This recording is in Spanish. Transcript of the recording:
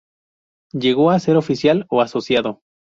Llegó a ser oficial o asociado.